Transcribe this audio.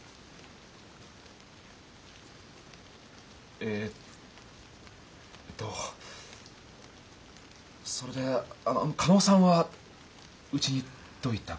えっとそれであの嘉納さんはうちにどういったご用件で？